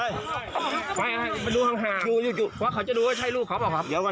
เดี๋ยวก่อนเข้าหญ้าก่อน